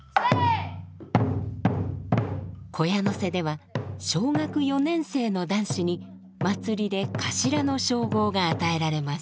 木屋瀬では小学４年生の男子に祭りで「頭」の称号が与えられます。